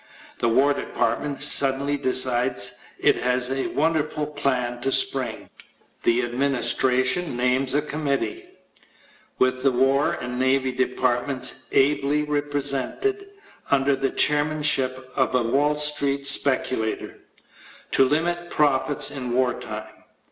The War Department suddenly decides it has a wonderful plan to spring. The Administration names a committee with the War and Navy Departments ably represented under the chairmanship of a Wall Street speculator to hmit profits in war time.